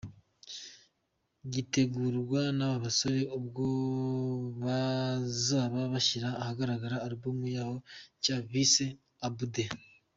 gitegurwa naba basore ubwo bazaba bashyira ahagaragara album yabo nshya bise Obudde.